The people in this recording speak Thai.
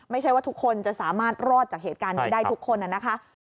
ไม่ใช่ว่าทุกคนจะสามารถรอดจากเหตุการณ์นี้ได้ทุกคนนะคะ